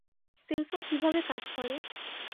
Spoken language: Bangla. সেলফোন কীভাবে কাজ করে?